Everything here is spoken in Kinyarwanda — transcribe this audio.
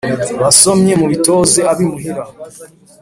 Basomyi mubitoze ab’imuhira